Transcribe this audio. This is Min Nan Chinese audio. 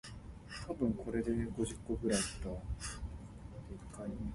錢了人無代